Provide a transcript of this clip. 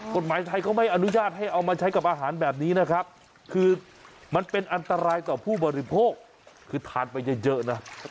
กฎหมายไทยเขาไม่อนุญาตให้เอามาใช้กับอาหารแบบนี้นะครับคือมันเป็นอันตรายต่อผู้บริโภคคือทานไปเยอะนะ